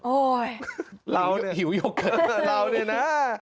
โอ๊ยเราเนี่ยเราเนี่ยนะหิวโยเกิร์ต